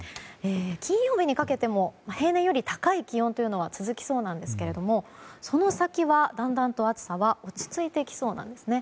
金曜日にかけても平年より高い気温というのは続きそうなんですけどその先はだんだんと暑さは落ち着いていきそうなんですね。